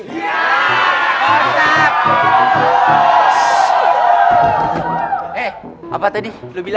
ganti eternal yaitu welp